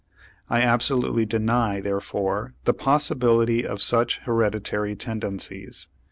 I absolutely deny, therefore, the possibility of such hereditary tendencies.